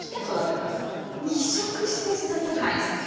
密植して育てるんですね。